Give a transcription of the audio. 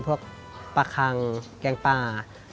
พวกปลาคังแกงปลา